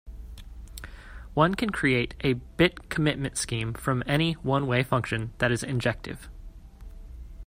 One can create a bit-commitment scheme from any one-way function that is injective.